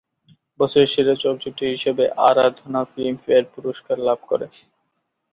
বছরের সেরা চলচ্চিত্র হিসেবে "আরাধনা" ফিল্মফেয়ার পুরস্কার লাভ করে।